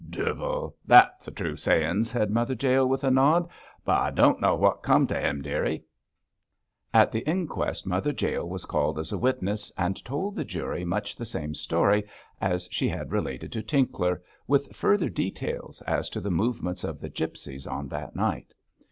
'Duvel! that's a true sayin',' said Mother Jael, with a nod, 'but I don' know wot cum to him, dearie.' At the inquest Mother Jael was called as a witness, and told the jury much the same story as she had related to Tinkler, with further details as to the movements of the gipsies on that night.